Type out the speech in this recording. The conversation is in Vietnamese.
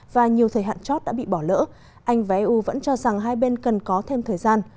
và nhiều thời hạn chót đã bị bỏ lỡ anh và eu vẫn cho rằng hai bên cần có thêm thời gian